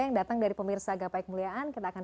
yang datang dari pemirsa gapai kemuliaan kita akan